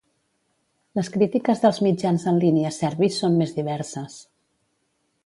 Les crítiques dels mitjans en línia serbis són més diverses.